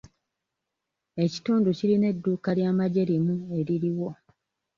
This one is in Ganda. Ekitundu kirina edduuka ly'amagye limu eririwo.